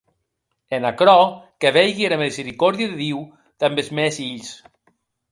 En aquerò que veigui era misericòrdia de Diu damb es mèns hilhs.